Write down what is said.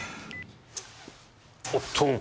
おっと！